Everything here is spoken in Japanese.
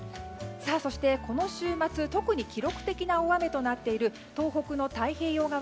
そして、この週末特に記録的な大雨となっている東北の太平洋側。